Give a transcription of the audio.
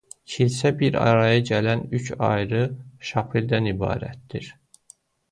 Kilsə bir araya gələn üç ayrı şapeldən ibarətdir.